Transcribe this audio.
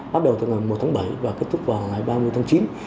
bắt đầu từ ngày một tháng bảy và kết thúc vào ngày ba mươi tháng chín